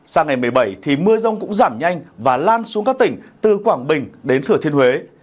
sang ngày một mươi bảy thì mưa rông cũng giảm nhanh và lan xuống các tỉnh từ quảng bình đến thừa thiên huế